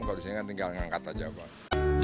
kalau di sini kan tinggal mengangkat saja pak